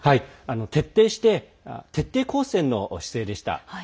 徹底して徹底抗戦の姿勢でした。